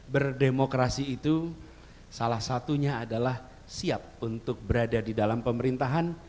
berdemokrasi itu salah satunya adalah siap untuk berada di dalam pemerintahan